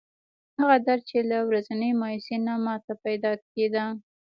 هغه درد چې له ورځنۍ مایوسۍ نه ماته پیدا کېده.